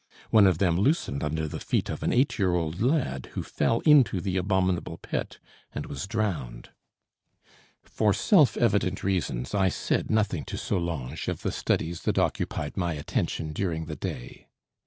One of them loosened under the feet of an eight year old lad, who fell into the abominable pit and was drowned. For self evident reasons I said nothing to Solange of the studies that occupied my attention during the day.